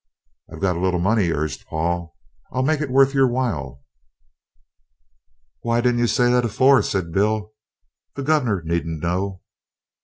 "I've got a little money," urged Paul. "I'll make it worth your while." "Why didn't you say that afore?" said Bill; "the Guv'nor needn't know."